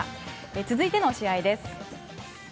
続いての試合です。